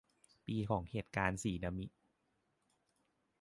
ปีของเหตุการณ์สีนามิ